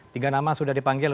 tiga nama sudah dipanggil